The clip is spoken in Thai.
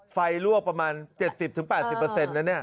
ไฟลวกประมาณ๗๐๘๐แล้วเนี่ย